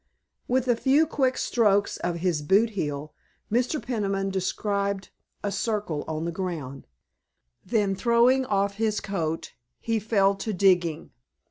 With a few quick strokes of his boot heel Mr. Peniman described a circle on the ground. Then, throwing off his coat, he fell to digging.